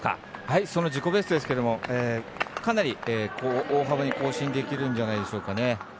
その自己ベストですけどもかなり大幅に更新できるんじゃないですかね。